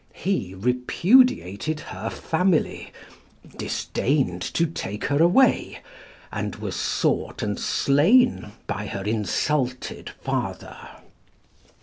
He repudiated her family, disdained to take her away, and was sought and slain by her insulted father.